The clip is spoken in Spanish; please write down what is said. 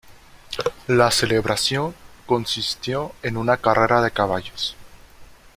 La celebración consistió en una carrera de caballos.